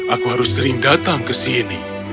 aku harus sering datang ke sini